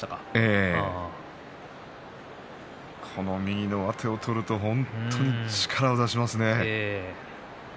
ええ、右の上手を取ると本当に力を出しますね。